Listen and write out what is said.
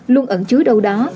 luôn ẩn chứa đâu đó